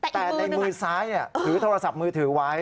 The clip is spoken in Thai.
แต่ในมือซ้ายถือโทรศัพท์มือถือไว้